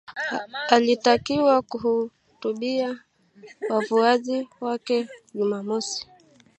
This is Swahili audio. alitakiwa kuhutubia wafuasi wake Jumamosi